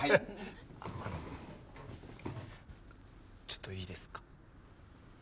あのちょっといいですか？